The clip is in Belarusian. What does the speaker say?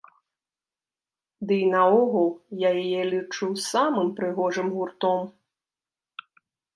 Дый наогул я яе лічу самым прыгожым гуртом.